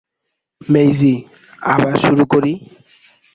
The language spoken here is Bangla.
মেইজি, আবার শুরু করি?